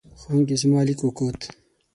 ښوونکې زما لیک وکوت.